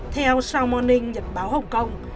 theo south morning nhật báo hồng kông